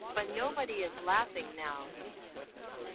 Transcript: But nobody is laughing now.